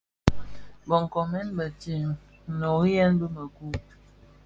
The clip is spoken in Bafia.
Bë nkoomèn bëntsem nnoriyèn bi mëku.